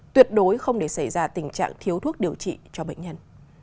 tuyệt đối không để xảy ra tình trạng thiếu thuốc điều trị cho bệnh nhân